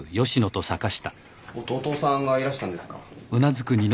弟さんがいらしたんですか？